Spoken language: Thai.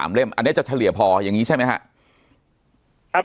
อันนี้จะโฉลีจะเฉลี่ยพออย่างนี้ใช่ไหมครับ